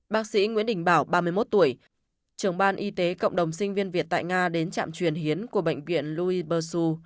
bác sĩ nguyễn đình bảo ba mươi một tuổi trưởng ban y tế cộng đồng sinh viên việt tại nga đến trạm truyền hiến của bệnh viện louis bursu